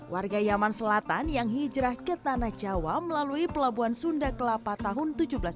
warga yaman selatan yang hijrah ke tanah jawa melalui pelabuhan sunda kelapa tahun seribu tujuh ratus enam puluh